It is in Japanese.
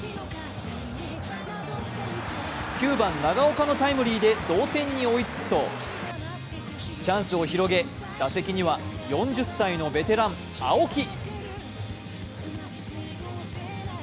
９番・長岡のタイムリーで同点に追いつくと、チャンスを広げ打席には４０歳のベテラン・青木。